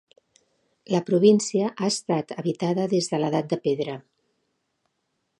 La província ha estat habitada des de l'Edat de Pedra.